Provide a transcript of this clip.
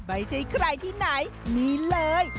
ไม่ใช่ใครที่ไหนนี่เลย